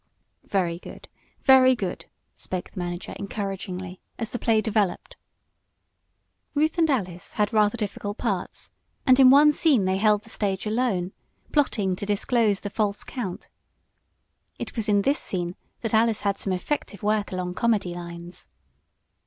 "Very good very good," spoke the manager encouragingly, as the play developed. Alice and Ruth had rather difficult parts, and in one scene they held the stage alone, "plotting" to disclose the false count. It was in this scene that Alice had some effective work along comedy lines.